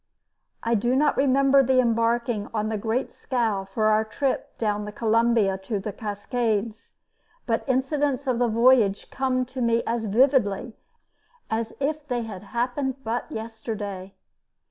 ] I do not remember the embarking on the great scow for our trip down the Columbia to the Cascades. But incidents of the voyage come to me as vividly as if they had happened but yesterday.